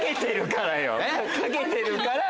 掛けてるからよ！